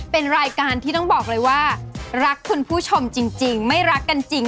เป็นรายการที่ต้องบอกเลยว่ารักคุณผู้ชมจริงไม่รักกันจริง